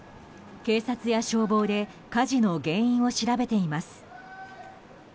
警察や消防で火事の原因を調べています。